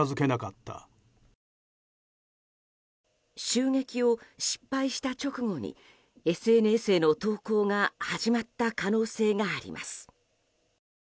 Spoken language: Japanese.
襲撃を失敗した直後にＳＮＳへの投稿が始まった可能性があります。